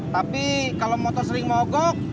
tapi kalau motor sering mogok